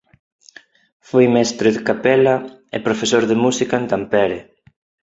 Foi mestre de capela e profesor de música en Tampere.